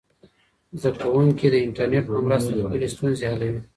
زده کوونکي د انټرنیټ په مرسته خپلې ستونزې حلوي.